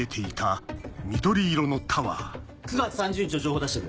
９月３０日の情報を出してくれ。